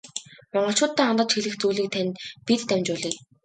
Монголчууддаа хандаж хэлэх зүйлийг тань бид дамжуулъя.